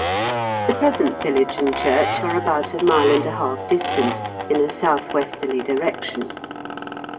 The present village and church are about a mile and a half distant, in a south westerly direction.